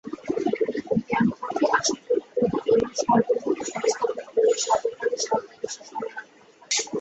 একমাত্র জ্ঞানপথই আশুফলপ্রদ এবং সর্বমত-সংস্থাপক বলে সর্বকালে সর্বদেশে সমান আদৃত।